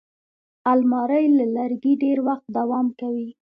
الماري له لرګي ډېر وخت دوام کوي